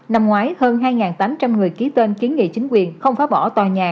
năm ngoái hơn hai tám trăm linh người ký tên kiến nghị chính quyền không phá bỏ tòa nhà